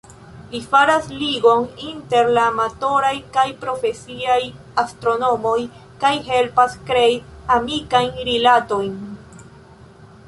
Li faras ligon inter la amatoraj kaj profesiaj astronomoj kaj helpas krei amikajn rilatojn.